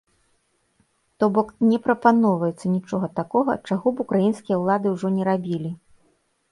То бок не прапаноўваецца нічога такога, чаго б украінскія ўлады ўжо не рабілі.